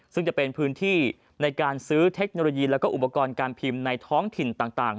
ซึ่งจะเป็นพื้นที่ในการซื้อเทคโนโลยีและอุปกรณ์การพิมพ์ในท้องถิ่นต่าง